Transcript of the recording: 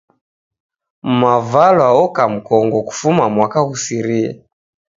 Mwavala oka mkongo kufuma mwaka ghusirie